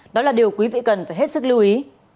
đó là điều quý vị cần phải hết sức lưu ý